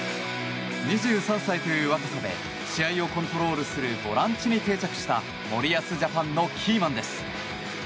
２３歳という若さで試合をコントロールするボランチに定着した森保ジャパンのキーマンです。